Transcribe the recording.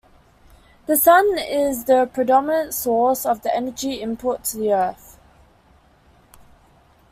The Sun is the predominant source of energy input to the Earth.